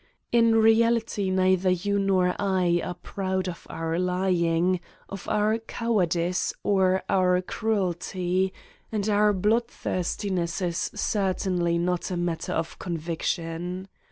In reality neither you nor I are proud of our lying, of our cowardice or of our cruelty, and our bloodthirsti ness is certainly not a matter of conviction.